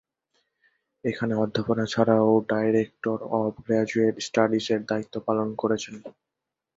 এখানে অধ্যাপনা ছাড়াও ডাইরেক্টর অফ গ্রাজুয়েট স্টাডিস-এর দায়িত্ব পালন করেছেন।